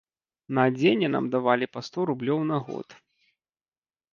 На адзенне нам давалі па сто рублёў на год.